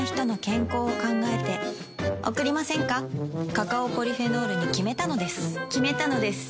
カカオポリフェノールに決めたのです決めたのです。